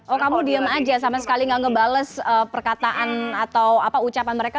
oh kamu diem aja sama sekali nggak ngebales perkataan atau ucapan mereka